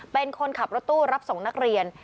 เป็นคนขับรถตู้รับส่งนักเรียน